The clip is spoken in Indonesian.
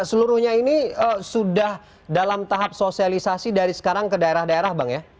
seluruhnya ini sudah dalam tahap sosialisasi dari sekarang ke daerah daerah bang ya